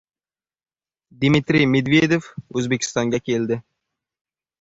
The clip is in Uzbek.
Dmitriy Medvedev O‘zbekistonga keldi